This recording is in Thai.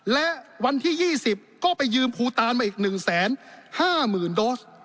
และวันที่๒๐ก็ไปยืมภูตานมาอีก๑๕๐๐๐โดส